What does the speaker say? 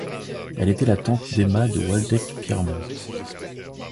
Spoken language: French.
Elle était la tante d'Emma de Waldeck-Pyrmont.